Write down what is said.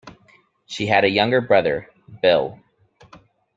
She had a younger brother, Bill.